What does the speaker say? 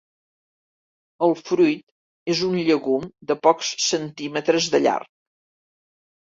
El fruit és un llegum de pocs centímetres de llarg.